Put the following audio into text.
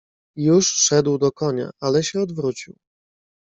"I już szedł do konia, ale się odwrócił."